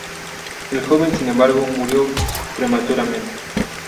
El joven, sin embargo, murió prematuramente.